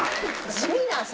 地味なさ。